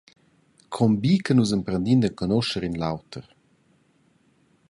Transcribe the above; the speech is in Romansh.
Con bi che nus emprendin d’enconuscher in l’auter!